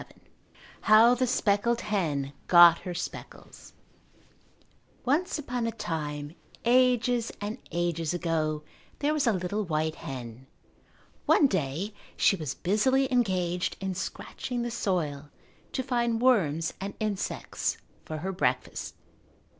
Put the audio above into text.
VII How the Speckled Hen Got Her Speckles Once upon a time, ages and ages ago, there was a little white hen. One day she was busily engaged in scratching the soil to find worms and insects for her breakfast.